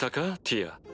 ティア。